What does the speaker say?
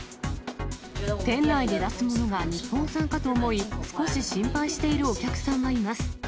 店内で出すものが日本産かと思い、少し心配しているお客さんはいます。